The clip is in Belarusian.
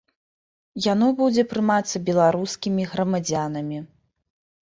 Яно будзе прымацца беларускімі грамадзянамі.